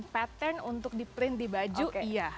pattern untuk di print di baju iya